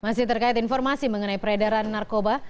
masih terkait informasi mengenai peredaran narkoba